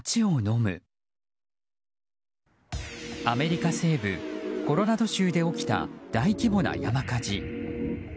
アメリカ西部コロラド州で起きた大規模な山火事。